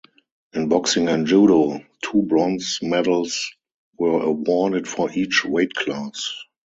In boxing and judo, two bronze medals were awarded for each weight class.